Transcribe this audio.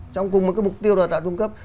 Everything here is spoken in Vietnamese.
trong cùng một cái mục tiêu đào tạo cung cấp